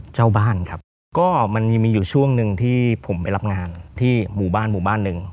เจ้าบ้านครับก็มันมีอยู่ช่วงหนึ่งที่ผมไปรับงานที่หมู่บ้านหมู่บ้านหนึ่ง